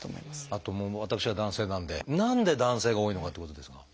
あと私は男性なので何で男性が多いのかっていうことですが。